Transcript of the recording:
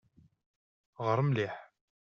Ɣeṛ mliḥ.